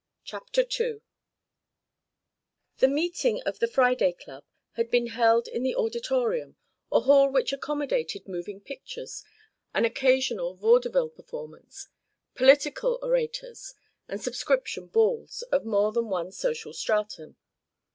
CHAPTER II The meeting of the Friday Club had been held in the Auditorium, a hall which accommodated moving pictures, an occasional vaudeville performance, political orators, and subscription balls of more than one social stratum.